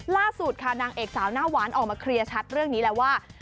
ล่าสุดค่ะนางเอกสาวหน้าหวานออกมาเคลียร์ชัดเรื่องนี้แล้วว่า